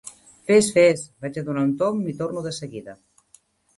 Fes, fes. Vaig a donar un tomb i torno de seguida.